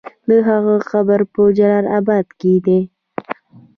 د هغه قبر په جلال اباد کې دی.